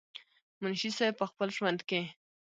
منشي صېب پۀ خپل ژوند کښې